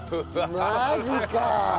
マジか。